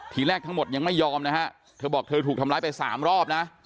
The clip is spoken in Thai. ทีแรกทั้งหมดยังไม่ยอมนะฮะเธอบอกเธอถูกทำร้ายไปสามรอบนะ